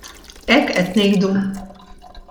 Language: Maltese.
Hekk qed ngħidu?